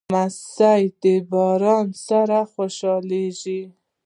لمسی د باران سره خوشحالېږي.